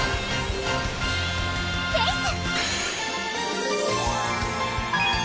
フェイス！